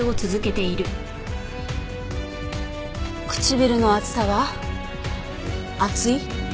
唇の厚さは厚い？